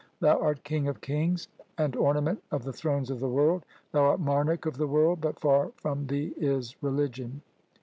Thou art king of kings, and ornament of the thrones of the world. Thou art monarch of the world, but far from thee is religion.